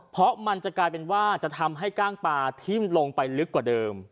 เพราะมันจะกลายเป็นว่าจะทำให้กล้างปลาทิ้มลงไปลึกกว่าเดิม